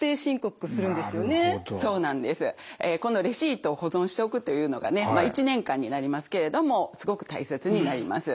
このレシートを保存しておくというのがね１年間になりますけれどもすごく大切になります。